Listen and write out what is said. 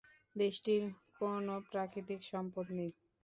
দেশটির কোন প্রাকৃতিক সম্পদ নেই।